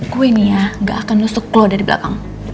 gue nih ya gak akan nusuk lo dari belakang